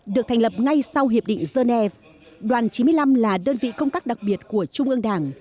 được thành lập ngay sau hiệp định genève đoàn chín mươi năm là đơn vị công tác đặc biệt của trung ương đảng